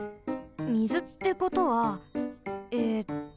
みずってことはえっと